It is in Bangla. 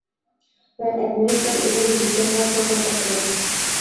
প্রায় এক মিনিটকাল এইভাবে জিভটা থারথার করে কাঁপতে লাগল।